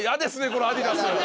このアディダス。